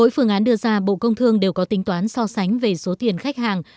phương án đưa ra bộ công thương đều có tính toán so sánh về số tiền khách hàng